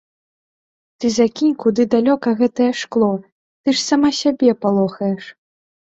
Ты закінь куды далёка гэтае шкло, ты ж сама сябе палохаеш.